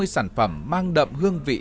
ba mươi sản phẩm mang đậm hương vị